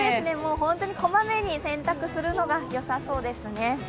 本当にこまめに洗濯するのが良さそうですね。